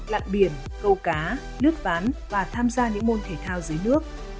lặn biển câu cá nước ván và tham gia những môn thể thao dưới nước